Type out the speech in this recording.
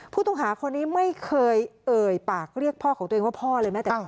ผู้ต้องหาคนนี้ไม่เคยเอ่ยปากเรียกพ่อของตัวเองว่าพ่อเลยแม้แต่